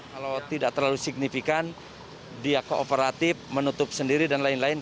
kalau tidak terlalu signifikan dia kooperatif menutup sendiri dan lain lain